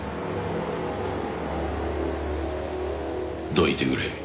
どいてくれ。